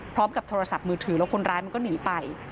พร้อมกับโทรศัพท์มือถือแล้วคนร้ายมันก็หนีไป